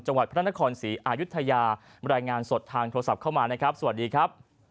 จังหวัดพระนครศรีอายุทยาบรรยายงานสดทางโทรศัพท์เข้ามานะครับสวัสดีครับ